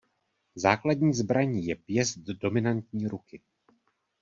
Základní zbraní je pěst dominantní ruky.